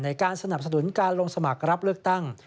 ในการสนับสนุนการลงสมัครรับเลือกตั้ง